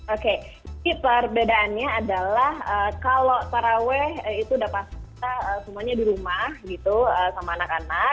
oke perbedaannya adalah kalau paraweh itu udah pas semuanya di rumah gitu sama anak anak